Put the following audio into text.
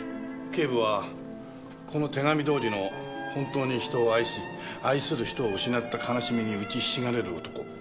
警部はこの手紙どおりの本当に人を愛し愛する人を失った悲しみに打ちひしがれる男。